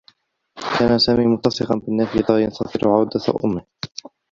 كان سامي ملتصقا بالنّافذة، ينتظر عودة أمّه.